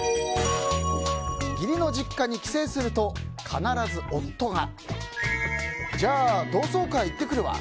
義理の実家に帰省すると必ず夫がじゃあ、同窓会行ってくるわ。